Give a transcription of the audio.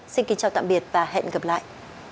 xin kính chào tạm biệt và hẹn gặp lại